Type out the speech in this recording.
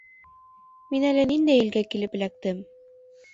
Мин әле ниндәй илгә килеп эләктем?